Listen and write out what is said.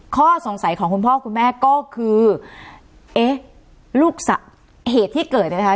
ข้อสงสัยของคุณพ่อคุณแม่ก็คือเอ๊ะลูกเหตุที่เกิดเนี่ยนะคะ